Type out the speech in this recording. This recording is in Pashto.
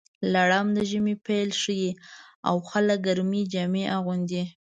لړم د ژمي پیل ښيي، او خلک ګرمې جامې اغوندي.